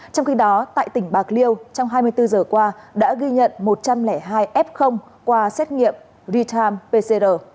trong khi đó tại tỉnh bạc liêu trong hai mươi bốn giờ qua đã ghi nhận một trăm linh hai f qua xét nghiệm real time pcr